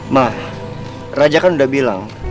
mah raja kan udah bilang